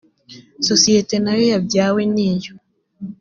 sosiyete na yo yabyawe n iyo